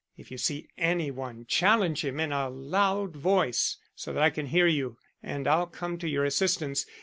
If you see any one challenge him in a loud voice so that I can hear you, and I'll come to your assistance.